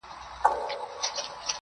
زاړه خبري بيا راژوندي کيږي,